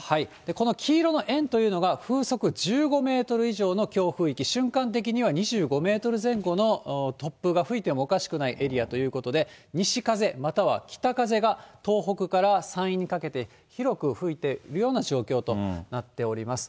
この黄色の円というのが、風速１５メートル以上の強風域、瞬間的には２５メートル前後の突風が吹いてもおかしくないエリアということで、西風、または北風が東北から山陰にかけて広く吹いているような状況となっております。